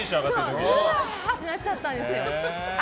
ハーってなっちゃったんです。